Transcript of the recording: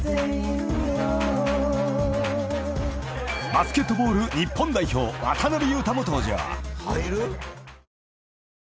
［バスケットボール日本代表渡邊雄太も登場］